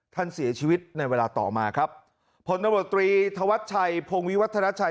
ท่านเสียชีวิตในเวลาต่อมาครับผลตำรวจตรีธวัชชัยพงวิวัฒนาชัย